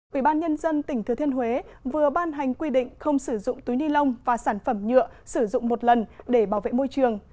quỹ ban nhân dân tỉnh thừa thiên huế vừa ban hành quy định không sử dụng túi ni lông và sản phẩm nhựa sử dụng một lần để bảo vệ môi trường